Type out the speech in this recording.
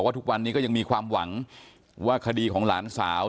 ทุกวันนี้ก็ยังมีความหวังว่าคดีของหลานสาว